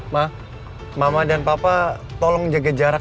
mak mama dan papa tolong jaga jarak